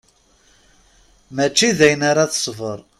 Mačči dayen ara tesber.